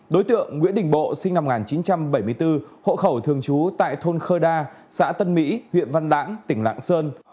đối tượng nguyễn đình bộ sinh năm một nghìn chín trăm bảy mươi bốn hộ khẩu thường trú tại thôn khơ đa xã tân mỹ huyện văn lãng tỉnh lạng sơn